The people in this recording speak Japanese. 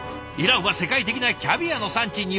イランは世界的なキャビアの産地。